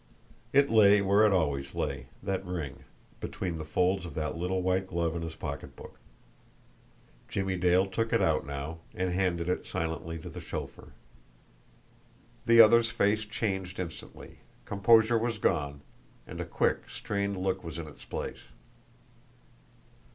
It lay where it always lay, that ring, between the folds of that little white glove in his pocketbook. Jimmie Dale took it out now, and handed it silently to the chauffeur. The other's face changed instantly composure was gone, and a quick, strained look was in its place.